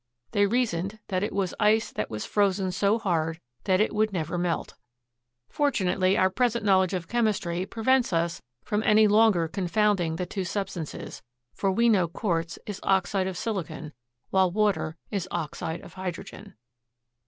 They reasoned that it was ice that was frozen so hard that it would never melt. Fortunately our present knowledge of chemistry prevents us from any longer confounding the two substances, for we know Quartz is oxide of silicon while water is oxide of hydrogen.